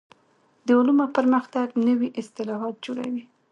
د علومو پرمختګ نوي اصطلاحات جوړوي.